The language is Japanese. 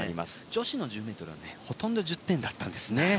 女子の１０ｍはほとんど１０点だったんですね。